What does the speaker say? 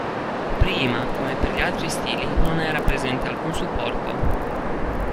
Prima, come per gli altri stili, non era presente alcun supporto.